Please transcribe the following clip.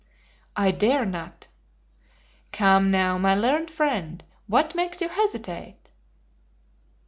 "I dare not." "Come, now, my learned friend, what makes you hesitate?"